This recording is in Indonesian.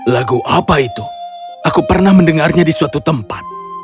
lagu apa itu aku pernah mendengarnya di suatu tempat